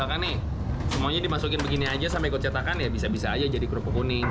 misalkan nih semuanya dimasukin begini aja sampai ikut cetakan ya bisa bisa aja jadi kerupuk kuning